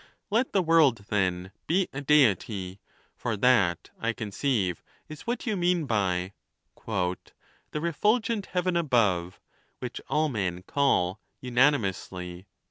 Let the world, then, be a Deity, for that, I conceive, is what you mean by The refulgent heaven above, Which all men call, unanimously, Jove.